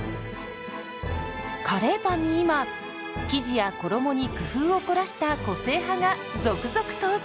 カレーパンに今生地や衣に工夫を凝らした個性派が続々登場！